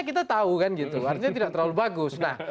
kita tahu kan gitu artinya tidak terlalu bagus